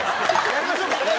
やりましょう！